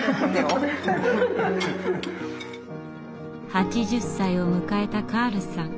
８０歳を迎えたカールさん。